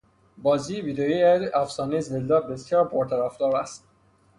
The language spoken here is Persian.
بازی ویدیویی افسانهٔ زلدا بسیار پرطرفدار است.